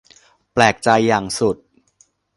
แปลกใจอย่างสุด